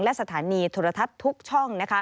และสถานีโทรทัศน์ทุกช่อง